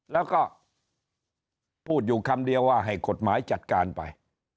แล้วก็พูดอยู่คำเดียวว่าให้กฎหมายจัดการไป